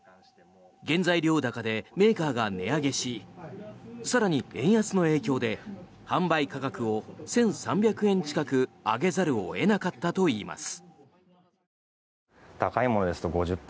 原材料高でメーカーが値上げし更に円安の影響で販売価格を１３００円近く上げざるを得なかったといいます。